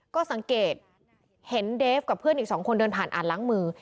ก็สังเกตเห็นเดฟกับเพื่อนอีก๒คนเดินผ่านอ่านล้างมือ